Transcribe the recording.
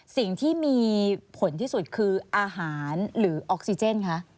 สิ่งที่มีผลที่สุดคืออาหารหรือออกซิเจนคะ